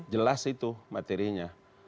jelas itu materinya